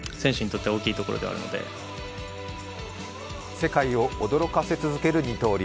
世界を驚かせ続ける二刀流。